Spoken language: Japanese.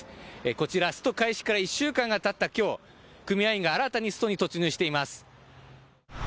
こちら、スト開始から１週間がたったきょう、組合員が新たなストに突入しています。